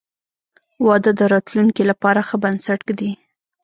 • واده د راتلونکي لپاره ښه بنسټ ږدي.